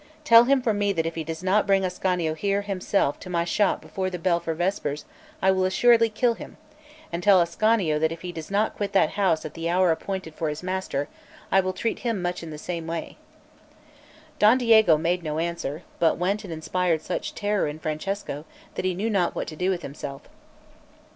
Tell him from me that if he does not bring Ascanio here himself to my shop before the bell for vespers, I will assuredly kill him; and tell Ascanio that if he does not quit that house at the hour appointed for his master, I will treat him much in the same way." Don Diego made no answer, but went and inspired such terror in Francesco that he knew not what to do with himself.